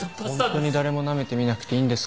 ホントに誰もなめてみなくていいんですか？